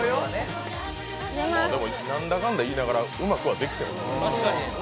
なんだかんだ言いながら、うまくはできてる。